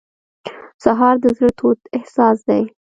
سهار د زړه تود احساس دی.